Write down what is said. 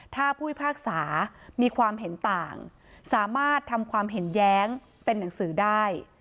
ถ้าผู้พิพากษามีความเห็นต่างสามารถทำความเห็นแย้งเป็นหนังสือได้